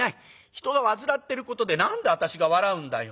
人が煩ってることで何で私が笑うんだよ。